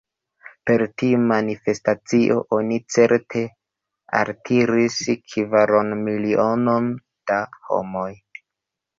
Per tiu manifestacio oni certe altiris kvaronmilionon da homoj.